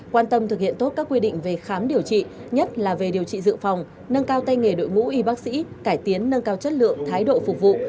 quan tâm thực hiện tốt các quy định về khám điều trị nhất là về điều trị dự phòng nâng cao tay nghề đội ngũ y bác sĩ cải tiến nâng cao chất lượng thái độ phục vụ